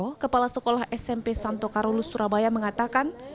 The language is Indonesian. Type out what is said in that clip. pak radianto kepala sekolah smp santo karolus surabaya mengatakan